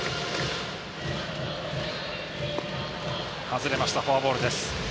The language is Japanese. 外れました、フォアボール。